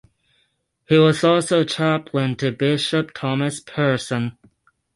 He was also Chaplain to Bishop Thomas Pearson.